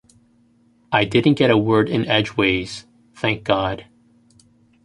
I didn't get a word in edgeways, thank God.